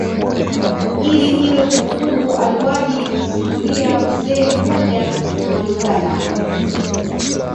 Ili iwe kumbukumbu aliwahi kusimulia mzee mmoja Malugala